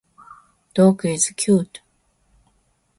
Dog is cute.